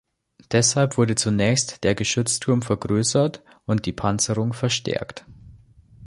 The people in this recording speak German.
Deshalb wurde zunächst der Geschützturm vergrößert und die Panzerung verstärkt.